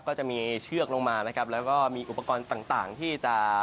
ก็จะมีเชือกลงมานะครับแล้วก็มีอุปกรณ์ต่างต่างที่จะ